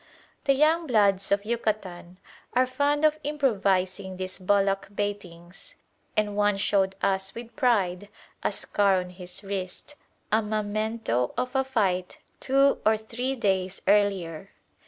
The young bloods of Yucatan are fond of improvising these bullock baitings; and one showed us with pride a scar on his wrist, a memento of a fight two or three days earlier.